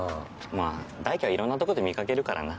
まあ大樹はいろんなところで見掛けるからな。